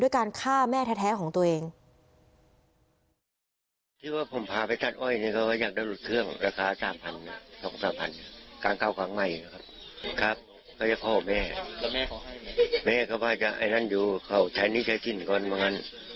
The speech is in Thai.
การฆ่าแม่แท้ของตัวเอง